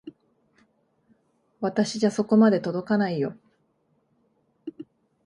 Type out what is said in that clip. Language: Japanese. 私じゃそこまで届かないよ。